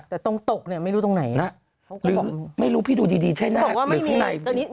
แต่ตรงตกเนี่ยไม่รู้ตรงไหนหรือไม่รู้พี่ดูดีใช่หน้าหรือข้างใน